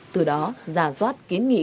từ đó giả doát kiến nghị